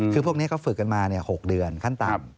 คือพวกนี้เขาฝึกกันมา๖เดือนขั้นต่ำ